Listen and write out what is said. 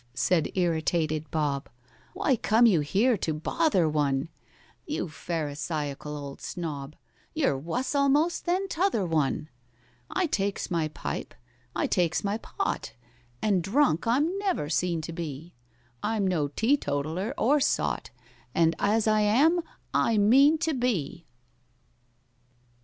said irritated BOB. "Why come you here to bother one? You pharisaical old snob, You're wuss almost than t'other one! "I takes my pipe—I takes my pot, And drunk I'm never seen to be: I'm no teetotaller or sot, And as I am I mean to be!"